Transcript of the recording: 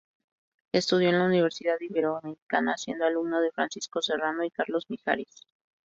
Estudió en la Universidad Iberoamericana, siendo alumno de Francisco Serrano y Carlos Mijares.